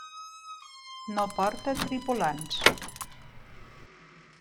No porta tripulants.